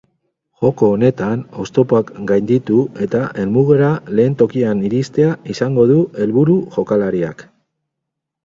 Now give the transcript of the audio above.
Joko honetan oztopoak gainditu eta helmugara lehen tokian iristea izango du helburu jokalariak.